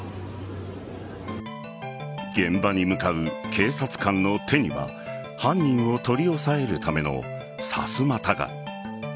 現場に向かう警察官の手には犯人を取り押さえるためのさすまたが。